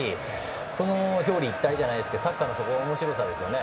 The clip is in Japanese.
その表裏一体ではないですけどそれがサッカーのおもしろさですよね。